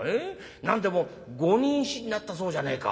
何でもご妊娠になったそうじゃねえか」。